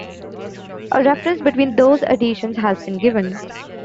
A reference between those editions has been given.